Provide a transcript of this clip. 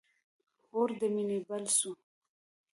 اور د مینی بل سو